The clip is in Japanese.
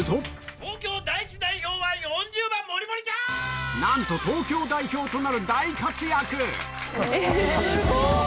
東京第１代表は４０番、なんと、東京代表となる大活すごい。